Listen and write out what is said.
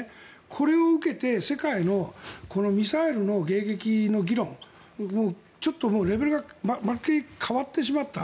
これを受けて世界のミサイルの迎撃の議論はちょっとレベルがまるっきり変わってしまった。